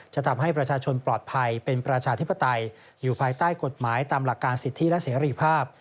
ได้ทำให้ประชาชนปลอดภัยเป็นประชาธิบดัชให้อยู่หลังกับกฏหมายตามหลักการสิทธิและเสรีภาพ